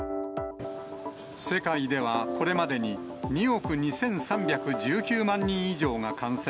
世界ではこれまでに２億２３１９万人以上が感染。